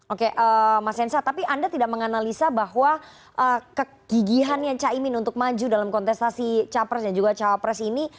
oke mas hensa tapi anda tidak menganalisa bahwa kegigihannya caimin untuk maju dalam kontestasi capres dan juga cawapres ini